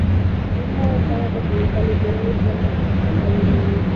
ni haya sana kwenye serikali ya burundi kuona mtu kama yule yuko